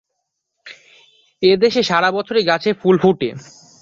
এদের সারা বছরই গাছে ফুল ফোটে।